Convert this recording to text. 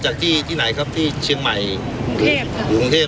จากที่ที่ไหนครับที่เชียงใหม่กรุงเทพค่ะกรุงเทพ